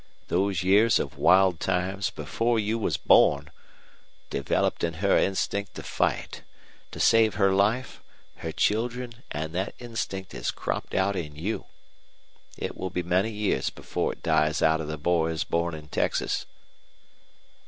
Those years of wild times, before you was born, developed in her instinct to fight, to save her life, her children, an' that instinct has cropped out in you. It will be many years before it dies out of the boys born in Texas."